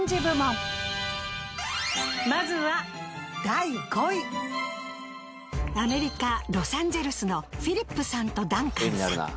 まずはアメリカロサンゼルスのフィリップさんとダンカンさん。